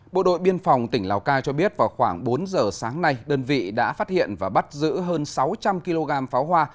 bộ đội biên phòng tỉnh lào cai cho biết vào khoảng bốn giờ sáng nay đơn vị đã phát hiện và bắt giữ hơn sáu trăm linh kg pháo hoa